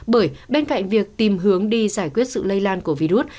bởi bên cạnh việc tìm hướng đi giải quyết sự lây lan của virus